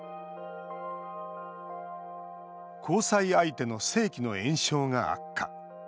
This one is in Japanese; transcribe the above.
交際相手の性器の炎症が悪化。